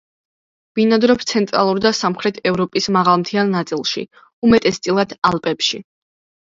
ბინადრობს ცენტრალურ და სამხრეთ ევროპის მაღალმთიან ნაწილში, უმეტესწილად ალპებში.